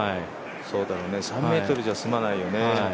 そうだろうね、３ｍじゃ済まないよね。